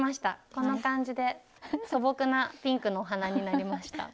こんな感じで素朴なピンクのお鼻になりました。